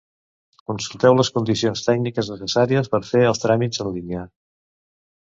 Consulteu les condicions tècniques necessàries per fer els tràmits en línia.